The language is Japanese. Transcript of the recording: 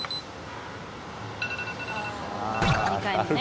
２回目ね。